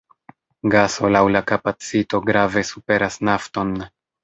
Gaso laŭ la kapacito grave superas nafton.